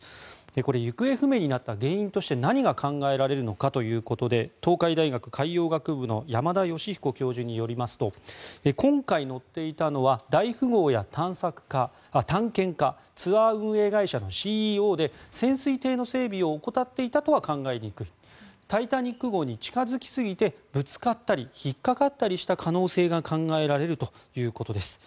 これ、行方不明になった原因として何が考えられるのかということで東海大学海洋学部の山田吉彦教授によりますと今回、乗っていたのは大富豪や探検家ツアー運営会社のＣＥＯで潜水艇の整備を怠っていたとは考えにくい「タイタニック号」に近付きすぎてぶつかったり引っかかったりした可能性が考えられるということです。